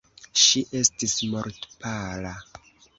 Ŝi estis mortpala.